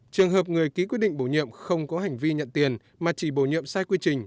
trường hợp người ký quyết định bổ nhiệm không có hành vi nhận tiền mà chỉ bổ nhiệm sai quy trình